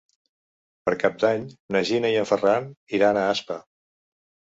Per Cap d'Any na Gina i en Ferran iran a Aspa.